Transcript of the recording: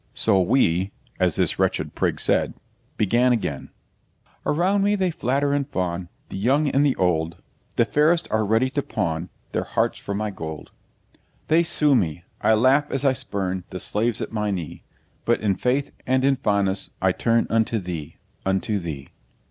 So WE (as this wretched prig said) began again: 'Around me they flatter and fawn The young and the old, The fairest are ready to pawn Their hearts for my gold. They sue me I laugh as I spurn The slaves at my knee, But in faith and in fondness I turn Unto thee, unto thee!'